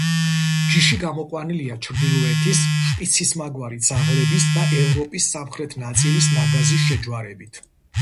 ჯიში გამოყვანილია ჩრდილოეთის შპიცისმაგვარი ძაღლების და ევროპის სამხრეთ ნაწილის ნაგაზის შეჯვარებით.